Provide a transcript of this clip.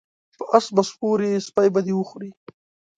په اس به سپور یی سپی به دی وخوري